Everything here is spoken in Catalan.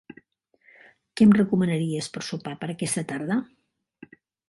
Què em recomanaries per sopar per aquesta tarda?